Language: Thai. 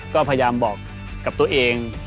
ก็พยายามบอกกับตัวเอง